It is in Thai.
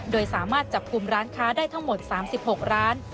โดยสามารถจับกลุ่มร้านค้าได้ทั้งหมด๓๖ร้าน